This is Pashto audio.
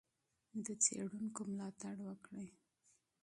د څېړونکو ملاتړ وکړئ.